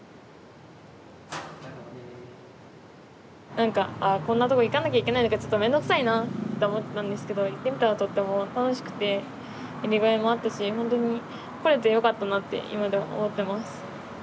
なんかあこんなとこ行かなきゃいけないのかちょっとめんどくさいなって思ってたんですけど行ってみたらとっても楽しくてやりがいもあったしほんとに来れてよかったなって今でも思ってます。